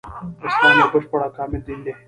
اسلام يو بشپړ او کامل دين دی